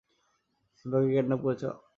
সিম্বাকে kidnap করেছে বাবা।